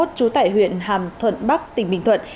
trú tại huyện hàm thuận bắc tỉnh bình thuận